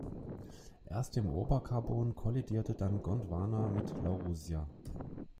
Erst im Oberkarbon kollidierte dann Gondwana mit Laurussia.